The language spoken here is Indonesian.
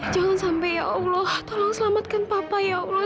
jangan sampai ya allah tolong selamatkan papa ya allah